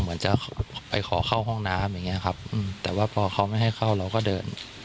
เหมือนจะไปขอเข้าห้องน้ำอย่างเงี้ยครับแต่ว่าพอเขาไม่ให้เข้าเราก็เดิน